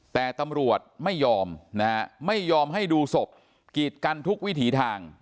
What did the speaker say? แต่ตำรวจไม่ยอมให้ดูศพกี่กันทุกวิถีทาง